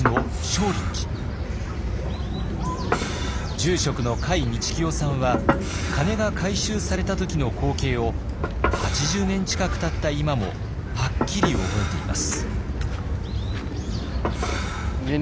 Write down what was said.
住職の甲斐道清さんは鐘が回収された時の光景を８０年近くたった今もはっきり覚えています。